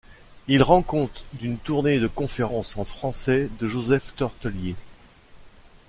Il rend compte d'une tournée de conférences en français de Joseph Tortelier.